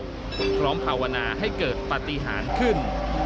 พร้อมภาวนาให้เกิดปฏิหารขึ้น